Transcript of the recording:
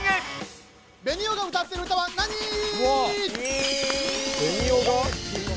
ベニオが歌ってる歌は何⁉え？